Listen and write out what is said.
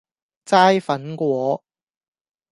齋粉果